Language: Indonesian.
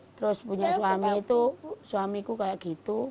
terus punya suami itu suamiku kayak gitu